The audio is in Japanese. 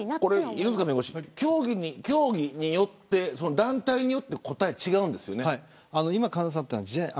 犬塚弁護士、競技によって団体によって答えが違うんですよね。